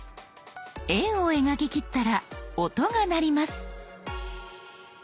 円を描ききったら音が鳴ります。